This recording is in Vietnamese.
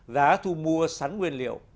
giá thu mua sắn nguyên liệu